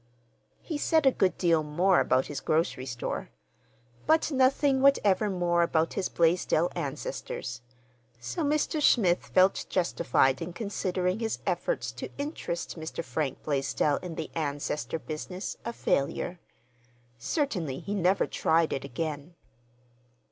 He said a good deal more about his grocery store—but nothing whatever more about his Blaisdell ancestors; so Mr. Smith felt justified in considering his efforts to interest Mr. Frank Blaisdell in the ancestor business a failure. Certainly he never tried it again.